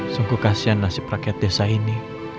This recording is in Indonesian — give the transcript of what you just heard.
sungguh kasihan nasib rakyat desa ini